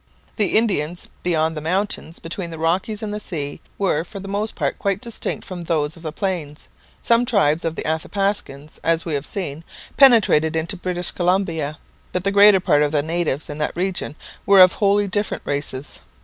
The Indians beyond the mountains, between the Rockies and the sea, were for the most part quite distinct from those of the plains. Some tribes of the Athapascans, as we have seen, penetrated into British Columbia, but the greater part of the natives in that region were of wholly different races.